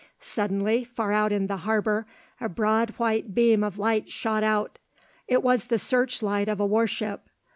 Suddenly, far out in the harbour, a broad white beam of light shot out; it was the search light of a warship.